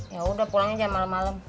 yaudah pulangnya jam malam malam